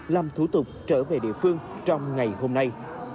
làm thủ tục trở về địa phương trong ngày hôm nay